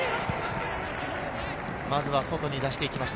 まずは外に出していきました。